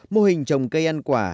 mô hình trồng cây ăn quả